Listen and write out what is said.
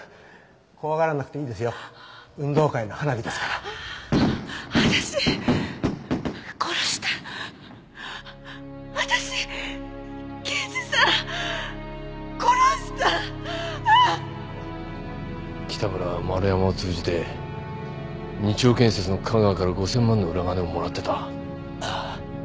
怖がらなくていい運動会の花火ですから私殺した私刑事さん殺したアァ北村は丸山を通じて日央建設の香川から５０００万の裏金をもらってたあぁ